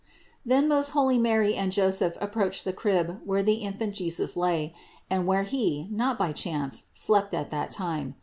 Then most holy Mary and Joseph approached the crib where the Infant Jesus lay; and where He, not by chance, slept at that time.